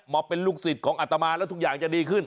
มาเป็นลูกศิษย์ของอัตมาแล้วทุกอย่างจะดีขึ้น